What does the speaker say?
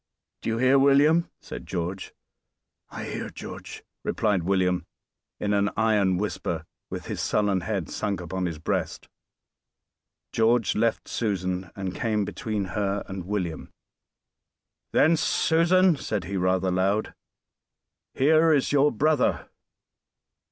"Do you hear, William?" said George. "I hear, George," replied William in an iron whisper, with his sullen head sunk upon his breast. George left Susan, and came between her and William. "Then, Susan," said he, rather loud, "here is your brother."